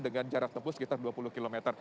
dengan jarak tempuh sekitar dua puluh km